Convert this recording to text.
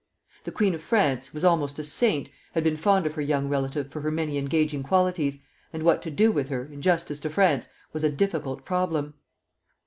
The queen of France, who was almost a saint, had been fond of her young relative for her many engaging qualities; and what to do with her, in justice to France, was a difficult problem.